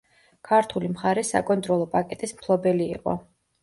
ქართული მხარე საკონტროლო პაკეტის მფლობელი იყო.